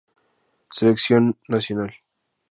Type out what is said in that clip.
Selección Nacional